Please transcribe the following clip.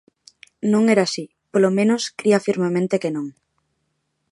Non era así, polo menos cría firmemente que non.